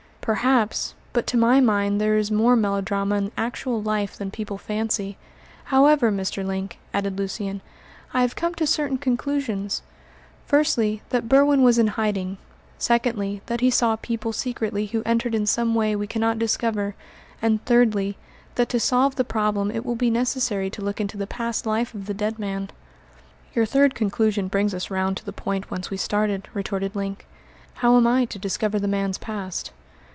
"Perhaps; but to my mind there is more melodrama in actual life than people fancy. However, Mr. Link," added Lucian, "I have come to certain conclusions. Firstly, that Berwin was in hiding; secondly, that he saw people secretly who entered in some way we cannot discover; and thirdly, that to solve the problem it will be necessary to look into the past life of the dead man." "Your third conclusion brings us round to the point whence we started," retorted Link. "How am I to discover the man's past?"